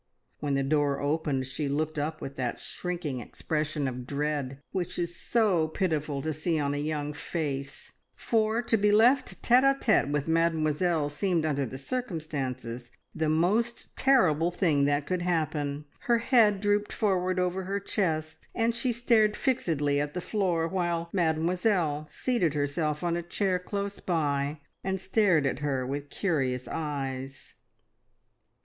When the door opened she looked up with that shrinking expression of dread which is so pitiful to see on a young face, for to be left tete a tete with Mademoiselle seemed under the circumstances the most terrible thing that could happen. Her head drooped forward over her chest, and she stared fixedly at the floor while Mademoiselle seated herself on a chair close by and stared at her with curious eyes.